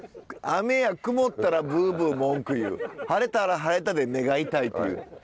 雨や曇ったらブーブー文句言う晴れたら晴れたで目が痛いと言う。